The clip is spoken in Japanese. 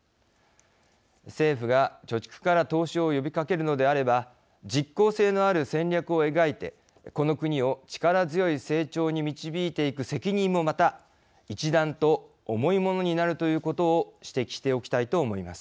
政府が貯蓄から投資を呼びかけるのであれば実効性のある戦略を描いてこの国を力強い成長に導いていく責任もまた一段と重いものになるということを指摘しておきたいと思います。